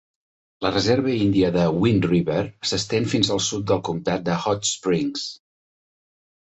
La Reserva Índia de Wind River s'estén fins al sud del comtat de Hot Springs.